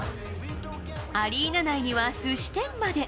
アリーナ内にはすし店まで。